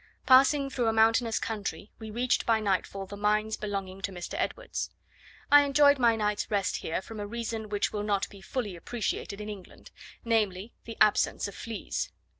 Passing through a mountainous country, we reached by nightfall the mines belonging to Mr. Edwards. I enjoyed my night's rest here from a reason which will not be fully appreciated in England, namely, the absence of fleas!